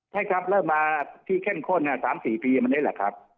ใช่ครับเริ่มมาที่เข้มข้น๓๔ปีมันนี่แหละครับ